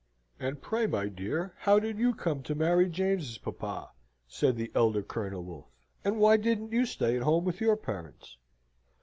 "And pray, my dear, how did you come to marry James's papa?" said the elder Colonel Wolfe. "And why didn't you stay at home with your parents?"